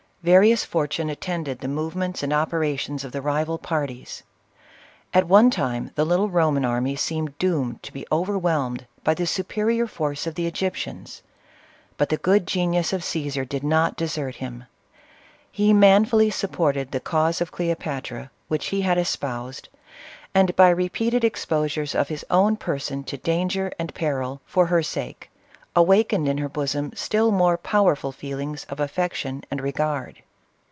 Various for tune attended the movements and operations of the ri val parties. At one time the little Roman army seemed doomed to be overwhelmed by the superior force of the Egyptians. But the good genius of Caesar did not de sert him. He manfully supported the cause of Cleo patra which he had espoused, and by repeated expo sures of his own person to danger and peril, for her sake, awakened in her bosom still more powerful feel ings of affection and regard.